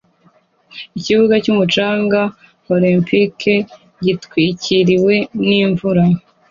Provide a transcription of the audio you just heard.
Ikibuga cyumucanga olempike gitwikiriwe nimvura